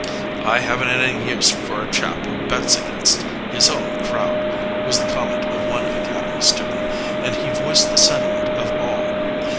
"I haven't any use for a chap who bets against his own crowd," was the comment of one academy student, and he voiced the sentiment of all.